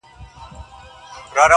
• نور به د کابل دحُسن غله شړو,